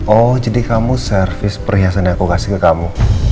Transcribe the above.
oh jadi kamu servis perhiasan yang aku kasih ke kamu